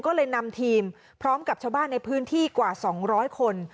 ก็เลยนำทีมพร้อมกับชาวบ้านในพื้นที่กว่า๒๐๐คน